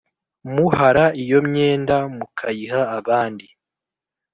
muhara iyo myenda mukyiha abandi